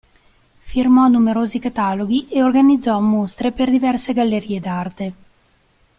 Firmò numerosi cataloghi e organizzò mostre per diverse gallerie d'arte.